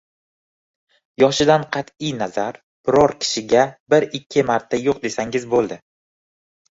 yoshidan qat’iy nazar biror kishiga bir-ikki marta yo‘q desangiz, bo'ldi.